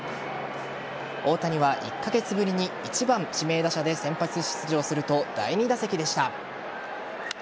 大谷は１カ月ぶりに１番・指名打者で先発出場すると第２打席でした。